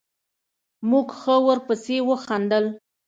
موږ ښه ورپسې وخندل.